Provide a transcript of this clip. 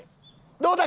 どうだ？